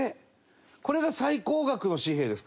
これが最高額の紙幣ですか？